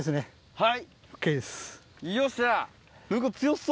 はい。